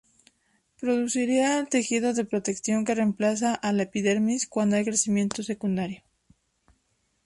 Producirá el tejido de protección que reemplaza a la epidermis cuando hay crecimiento secundario.